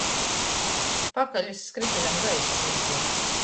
Pakalis skrytuļam gaiss izguoja.